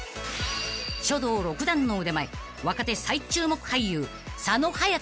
［書道６段の腕前若手最注目俳優佐野勇斗さん］